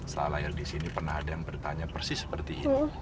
saya lahir di sini pernah ada yang bertanya persis seperti ini